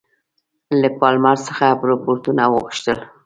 له پالمر څخه رپوټونه وغوښتل.